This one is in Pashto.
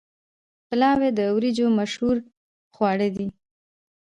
پلاو د وریجو مشهور خواړه دي.